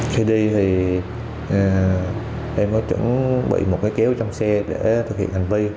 khi đi thì em có chuẩn bị một cái kéo trong xe để thực hiện hành vi